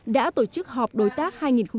đã tổ chức họp đối tác hai nghìn hai mươi